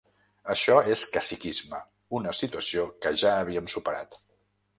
Això és caciquisme, una situació que ja havíem superat.